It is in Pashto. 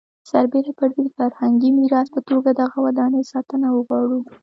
سربېره پر دې د فرهنګي میراث په توګه دغه ودانۍ ساتنه وغواړو.